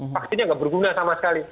vaksinnya nggak berguna sama sekali